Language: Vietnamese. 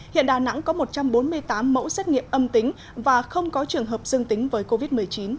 hiện đà nẵng có một trăm bốn mươi tám mẫu xét nghiệm âm tính và không có trường hợp dương tính với covid một mươi chín